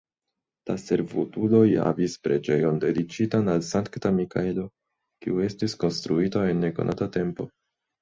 La servutuloj havis preĝejon dediĉitan al Sankta Mikaelo, kiu estis konstruita en nekonata tempo.